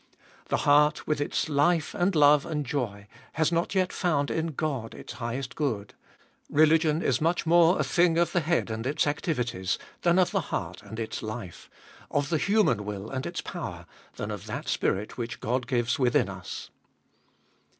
The heart, with its life and love and joy, has not yet found in God its highest good. Religion is much more a thing of the head and its activities, than of the heart and its life, of the human will and its power, than of that Spirit which God gives within us.